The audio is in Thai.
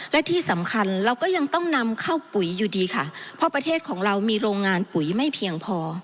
และที่สำคัญเราก็ยังต้องนำเข้าปุ๋ยอยู่ดีค่ะเพราะประเทศของเรามีโรงงานปุ๋ยไม่เพียงพอ